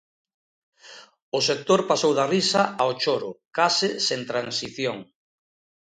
O sector pasou da risa ao choro, case sen transición.